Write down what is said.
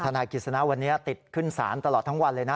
นายกิจสนาวันนี้ติดขึ้นศาลตลอดทั้งวันเลยนะ